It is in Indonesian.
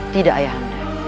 tidak ayah anda